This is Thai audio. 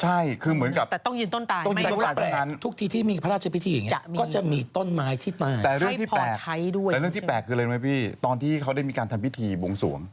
แต่เรื่องที่แปลกคือตอนที่เขาได้มีการทำพิธีบวงสูง